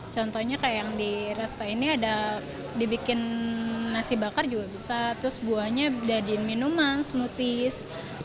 contohnya kayak yang di resta ini ada dibikin nasi bakar juga bisa terus buahnya jadiin minuman smoothies